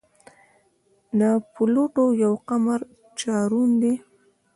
د پلوټو یو قمر چارون دی.